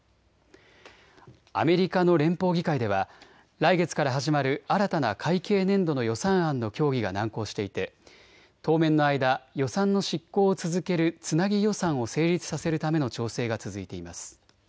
アメリカの連邦議会では来月から始まる新たな会計年度の予算案の協議が難航していて当面の間、予算の執行を続けるつなぎ予算を成立させるための調整が続いています。